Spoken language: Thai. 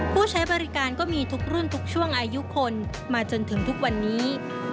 ผู้ใช้บริการก็มีทุกรุ่นทุกช่วงอายุคนมาจนถึงทุกวันนี้